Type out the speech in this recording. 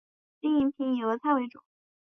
经营品种以俄餐为主。